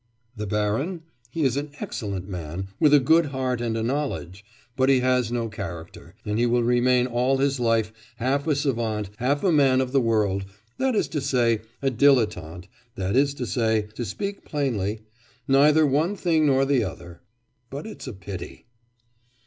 'The baron? He is an excellent man, with a good heart and a knowledge ... but he has no character... and he will remain all his life half a savant, half a man of the world, that is to say, a dilettante, that is to say, to speak plainly, neither one thing nor the other. ... But it's a pity!